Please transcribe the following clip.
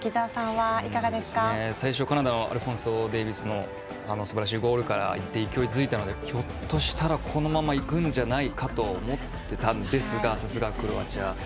最初、カナダはアルフォンソ・デイビスのすばらしいゴールから勢いづいたのでひょっとしたらこのままいくんじゃないかなと思ってたんですがさすがクロアチア。